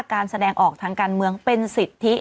การแสดงออกทางการเมืองเป็นสิทธิ